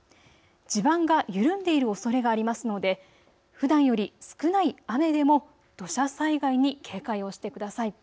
地盤が緩んでいるおそれがありますのでふだんより少ない雨でも土砂災害に警戒をしてください。